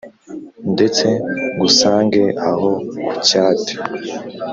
Ndetse ngusange aho ku cyate